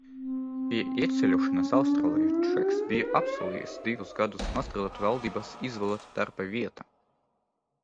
Pie ieceļošanas Austrālijā Džeks bija apsolījies divus gadus nostrādāt valdības izvēlētā darba vietā.